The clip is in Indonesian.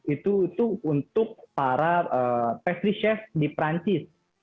itu untuk para pastry chef di perancis